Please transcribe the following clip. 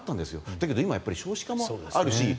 だけど今は少子化もあるし